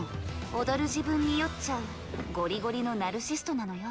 踊る自分に酔っちゃうゴリゴリのナルシシストなのよ。